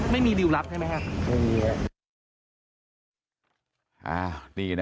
ไม่มีริวรับใช่ไหมครับ